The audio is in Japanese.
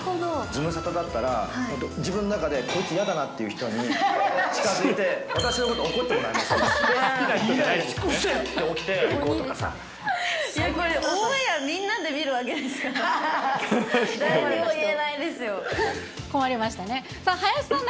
ズムサタだったら、自分の中でこいつ嫌だなっていう人に近づいて、私のこと怒ってもらえません？